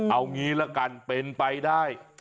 เอางี้ละกันเป็นไปได้